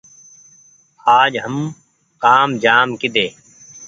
آج هم ڪآم جآم ڪيۮي